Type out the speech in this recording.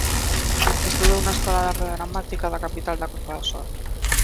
Estudou na Escola de arte dramática da capital da Costa do Sol.